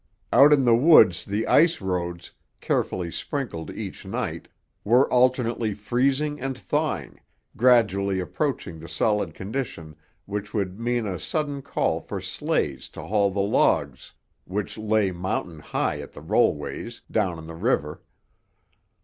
Out in the woods the ice roads, carefully sprinkled each night, were alternately freezing and thawing, gradually approaching the solid condition which would mean a sudden call for sleighs to haul the logs, which lay mountain high at the rollways, down to the river.